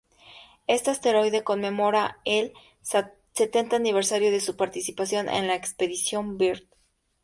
Este asteroide conmemora el setenta aniversario de su participación en la expedición Byrd.